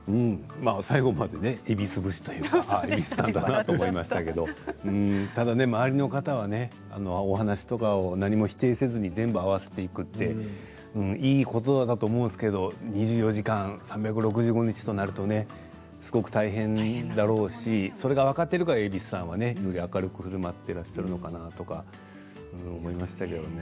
最後まで蛭子節というか蛭子さんだなと思いましたけれどもただ周りの方はねお話とかを何も否定せずに全部合わせていくっていいことかなと思うんですけれど２４時間、３６５日となるとすごく大変だろうしそれが分かっているから蛭子さんはより明るくふるまっているのかなとか思いましたけどね。